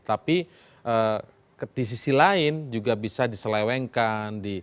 tapi di sisi lain juga bisa diselewengkan